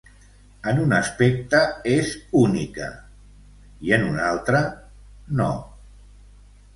En un aspecte és única, i en un altre, no.